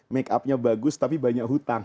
make upnya bagus tapi banyak hutang